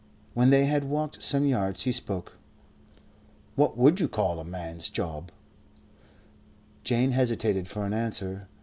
When they had walked some yards he spoke. "What would you call a man's job?" Jane hesitated for an answer.